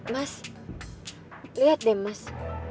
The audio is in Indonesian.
mas liat deh mas